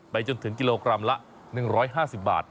จนถึงกิโลกรัมละ๑๕๐บาท